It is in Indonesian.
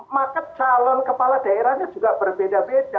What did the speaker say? maka calon kepala daerahnya juga berbeda beda